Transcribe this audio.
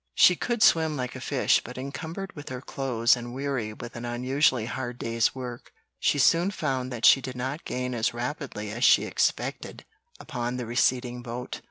She could swim like a fish, but encumbered with her clothes and weary with an unusually hard day's work, she soon found that she did not gain as rapidly as she expected upon the receding boat.